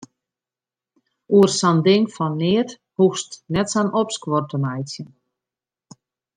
Oer sa'n ding fan neat hoechst net sa'n opskuor te meitsjen.